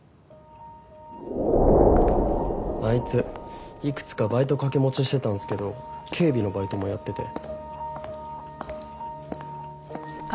あいついくつかバイト掛け持ちしてたんすけど警備のバイトもやってて。